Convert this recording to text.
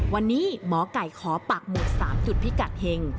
วันนี้หมอไก่ขอปากหมุด๓จุดพิกัดเห็ง